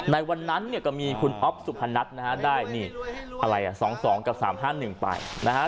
ในวันนั้นเนี่ยก็มีคุณอ๊อฟสุภรรณัฐนะฮะได้๒๒กับ๓๕๑ไปนะฮะ